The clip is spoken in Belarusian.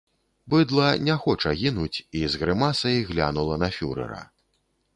Быдла не хоча гінуць і з грымасай глянула на фюрэра.